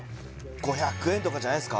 ５００円とかじゃないっすか？